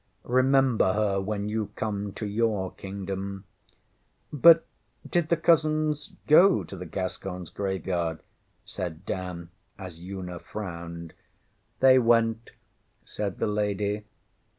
Remember her when you come to your Kingdom.ŌĆÖ ŌĆśBut did the cousins go to the GasconsŌĆÖ Graveyard? ŌĆÖ said Dan, as Una frowned. ŌĆśThey went, ŌĆÖ said the lady.